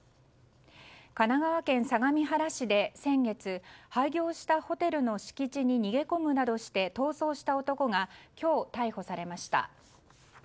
神奈川県相模原市で先月廃業したホテルの敷地に逃げ込むなどして逃走した男が今日逮捕されました。